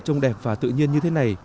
trông đẹp và tự nhiên như thế này